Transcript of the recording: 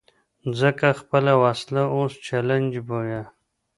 ځکه خپله وسه اوس چلنج بویه.